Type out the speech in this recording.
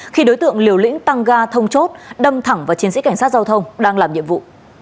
khi đối tượng liều lĩnh tăng ga thông chốt đâm thẳng vào chiến sĩ cảnh sát giao thông đang làm nhiệm vụ